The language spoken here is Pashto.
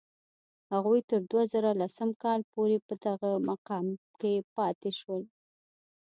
هغوی تر دوه زره لسم کال پورې په دغه مقام کې پاتې شول.